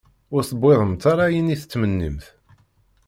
Ur tewwiḍemt ara ayen i tettmennimt?